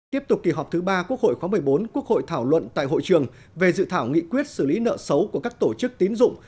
tiếp tục kỳ họp thứ ba quốc hội khóa một mươi bốn quốc hội thảo luận tại hội trường về dự thảo nghị quyết xử lý nợ xấu của các tổ chức tín dụng